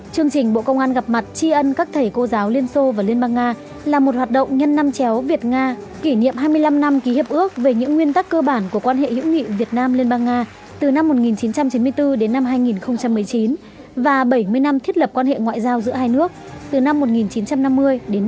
chương trình bộ công an gặp mặt tri ân các thầy cô giáo liên xô và liên bang nga là một hoạt động nhân năm chéo việt nga kỷ niệm hai mươi năm năm ký hiệp ước về những nguyên tắc cơ bản của quan hệ hữu nghị việt nam liên bang nga từ năm một nghìn chín trăm chín mươi bốn đến năm hai nghìn một mươi chín và bảy mươi năm thiết lập quan hệ ngoại giao giữa hai nước từ năm một nghìn chín trăm năm mươi đến nay